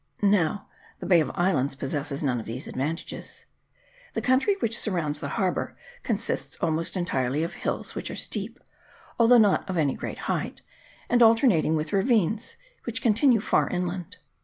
Now, the Bay of Islands possesses none of these advantages : the country which surrounds the harbour consists al most entirely of hills, which are steep, although not of any great height, and alternating with ravines, which continue far inland.